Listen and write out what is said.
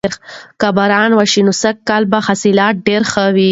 که باران وشي نو سږکال به حاصلات ډیر ښه وي.